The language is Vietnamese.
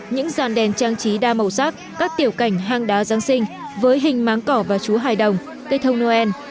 những dàn đèn trang trí đa màu sắc các tiểu cảnh hang đá giáng sinh với hình máng cỏ và chú hài đồng cây thông noel